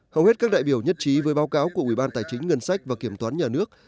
hầu hết các đại biểu nhất trí với báo cáo của ubnd và kiểm toán nhà nước